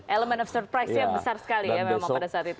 elemen of surprise nya besar sekali ya memang pada saat itu